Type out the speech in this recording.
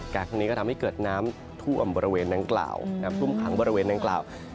การทำให้เกิดน้ำทุ่มขังบริเวณน้ำกล่าว